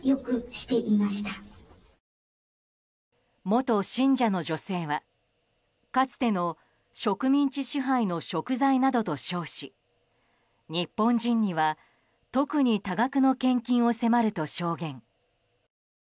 元信者の女性はかつての植民地支配の贖罪などと称し日本人には特に多額の献金を迫ると証言。